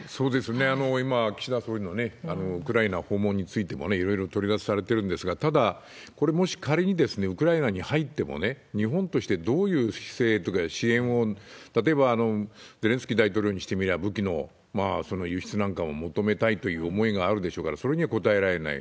今、岸田総理のウクライナ訪問についてもいろいろ取り沙汰されてるんですが、ただ、これ、もし仮にウクライナに入っても、日本としてどういう支援を、例えばゼレンスキー大統領にしてみれば、武器の輸出なんかを求めたいという思いがあるでしょうから、それには応えられない。